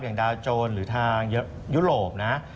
อย่างดาวโจรหรือทางยุโรปนะครับ